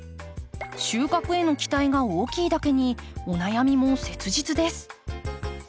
収穫への期待が大きいだけにお悩みも切実です。